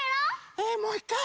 えもういっかい？